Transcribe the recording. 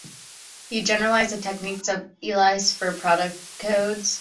He generalized the techniques of Elias for product codes.